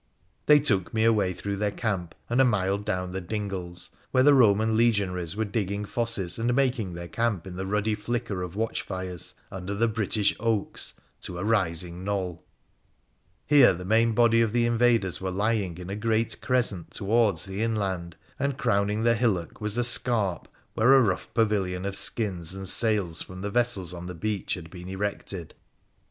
They took me away through their camp and a mile down the dingles, where the Eoman legionaries were digging fosses, and making their camp in the ruddy flicker of watch fires, under the British oaks, to a rising knoll. Here the main body of the invaders were lying in a great crescent towards the inland, and crowning the hillock was a scarp, where a rough pavilion of skins and sails from the vessels on the beach had been erected.